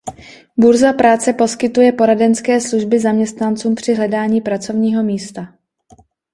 Burza práce poskytuje poradenské služby zaměstnancům při hledání pracovního místa.